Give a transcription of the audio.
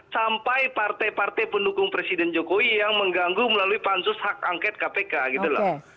sampai partai partai pendukung presiden jokowi yang mengganggu melalui pansus hak angket kpk gitu loh